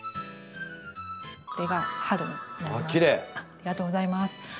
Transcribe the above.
ありがとうございます。